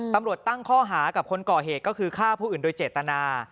ตำรวจตั้งข้อหากับคนก่อเหตุก็คือฆ่าผู้อื่นโดยเจตนา